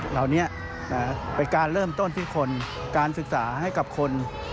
เหล่านี้เป็นการเริ่มต้นที่คนการศึกษาให้กับคน